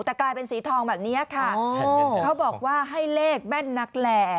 แต่กลายเป็นสีทองแบบนี้ค่ะเขาบอกว่าให้เลขแม่นนักแหล่